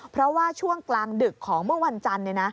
เพราะว่าช่วงกลางดึกของเมื่อวันจันทร์